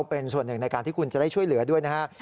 เป็นส่วนหนึ่งในการที่คุณจะได้ช่วยเหลือด้วยนะฮะ